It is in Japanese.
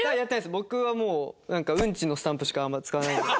僕はもううんちのスタンプしかあんま使わない。